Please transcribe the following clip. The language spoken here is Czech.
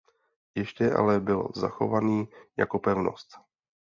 Ještě ale byl zachovaný jako pevnost.